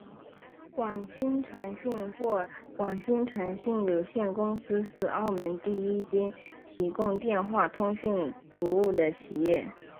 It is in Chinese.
广星传讯或广星传讯有限公司是澳门第一间提供电话通讯服务的企业。